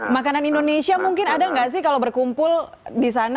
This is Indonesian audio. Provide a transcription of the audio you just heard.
makanan indonesia mungkin ada nggak sih kalau berkumpul di sana